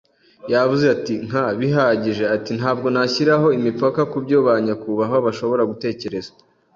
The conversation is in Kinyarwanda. Yavuze ati: “Nka bihagije. Ati: "Ntabwo nashyiraho imipaka kubyo ba nyakubahwa bashobora gutekereza